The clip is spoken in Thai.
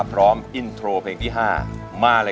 ขอบคุณพี่งั้น